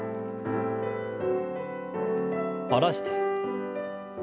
下ろして。